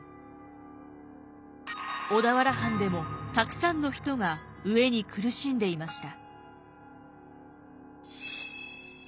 小田原藩でもたくさんの人が飢えに苦しんでいました。